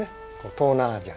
東南アジア